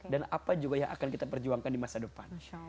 dan apa juga yang akan kita perjuangkan di masa depan